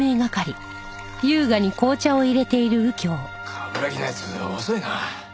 冠城の奴遅いな。